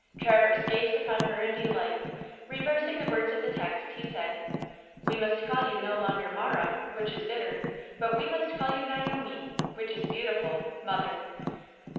Traverse gazed upon her in delight. Reversing the words of the text, he said: "We must call you no longer Marah (which is bitter), but we must call you Naomi (which is beautiful), mother!"